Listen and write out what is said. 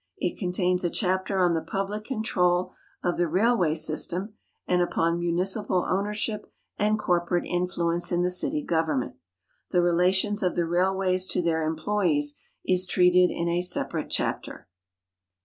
It contains a chai)ter on the i)ublic control of the railway system and upon municipal ownei ship and corporate influence in the city government. " The Relations of the Railways to their Employes " is treated in a separate chapter.